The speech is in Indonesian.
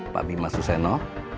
pak bima suseno